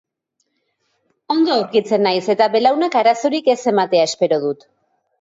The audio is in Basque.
Ondo aurkitzen naiz, eta belaunak arazorik ez ematea espero dut.